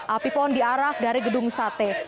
api pon diarak dari gedung sate